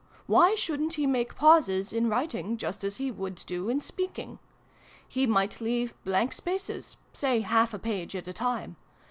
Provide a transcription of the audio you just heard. Why shouldn't he make pauses in writing, just as he would do in speaking ? He might leave blank spaces say half a page at a time.